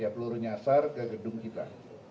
peluru nyasar ke gedung kita